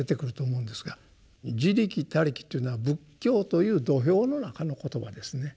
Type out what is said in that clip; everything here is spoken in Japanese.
「自力」「他力」というのは仏教という土俵の中の言葉ですね。